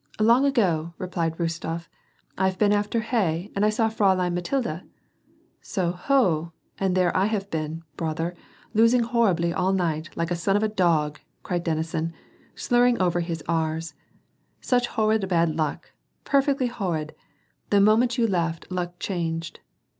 " Long ago !" replied Rostof^ " I have been after hay and I saw Fiaulein Mathilde !"" So ho ! and there I have been, bwother, losing howibly all night, like a son of a dog !" cried Denisof, slurring over his R's. " Such howid bad luck ! PefFectly howid ! The moment you left, luck changed.